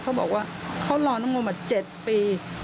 เขาบอกว่าเขารอน้ำงมมา๗ปี